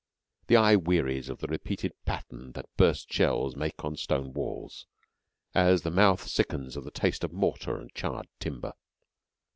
The eye wearies of the repeated pattern that burst shells make on stone walls, as the mouth sickens of the taste of mortar and charred timber.